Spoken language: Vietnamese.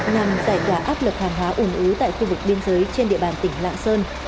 nhằm giải đoá áp lực hàn hóa ủng ú tại khu vực biên giới trên địa bàn tỉnh lạng sơn